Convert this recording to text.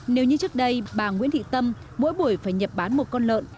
nếu như trước đây bà nguyễn thị tâm mỗi buổi phải nhập bán một con lợn